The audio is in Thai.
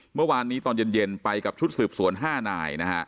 เมื่อวานนี้ตอนเย็นเย็นไปกับชุดสืบสวน๕หน่าย